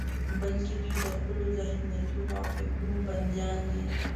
بلکې دوی د خپلو ذهنيتونو او فکرونو بندیان دي.